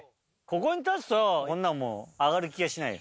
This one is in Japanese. ここに立つとこんなもう上がる気がしない。